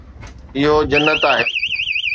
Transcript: اهو جنت آهي